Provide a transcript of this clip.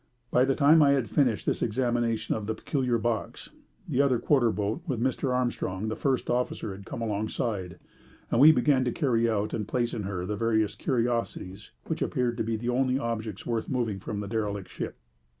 By the time I had finished this examination of the peculiar box, the other quarter boat with Mr. Armstrong, the first officer, had come alongside, and we began to carry out and place in her the various curiosities which appeared to be the only objects worth moving from the derelict ship.